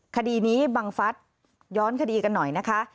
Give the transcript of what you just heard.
คดีนี้บังฟัดย้อนคดีกันหน่อยนะคะ